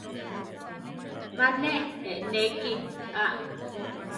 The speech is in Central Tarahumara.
Ma ne eʼnéki a.